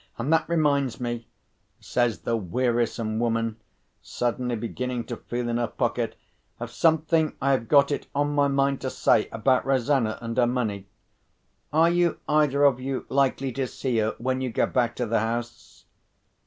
And that reminds me," says the wearisome woman, suddenly beginning to feel in her pocket, "of something I have got it on my mind to say about Rosanna and her money. Are you either of you likely to see her when you go back to the house?"